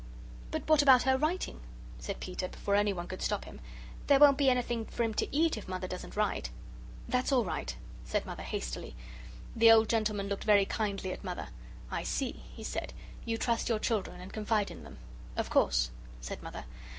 "But what about her writing?" said Peter, before anyone could stop him. "There won't be anything for him to eat if Mother doesn't write." "That's all right," said Mother, hastily. The old gentleman looked very kindly at Mother. "I see," he said, "you trust your children, and confide in them." "Of course," said Mother.